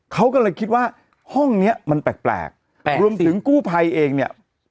เขาก็เลยคิดว่าห้องเนี้ยมันแปลกรวมถึงกู้ภัยเองเนี่ย